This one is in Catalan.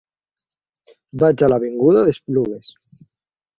Vaig a l'avinguda d'Esplugues.